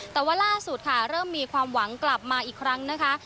แต่ว่าล่าสุดค่ะเริ่มมีความหวังกลับมาอีกครั้งนะคะ